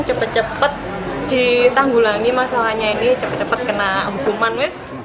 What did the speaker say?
cepat cepat ditanggulangi masalahnya ini cepat cepat kena hukuman mas